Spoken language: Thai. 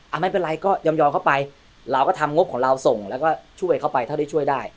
ไม่เป็นไรก็ยอมเข้าไปเราก็ทำงบของเราส่งแล้วก็ช่วยเข้าไปเท่าที่ช่วยได้